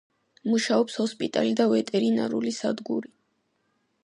მუშაობს ჰოსპიტალი და ვეტერინარული სადგური.